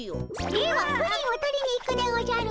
ではプリンを取りに行くでおじゃる。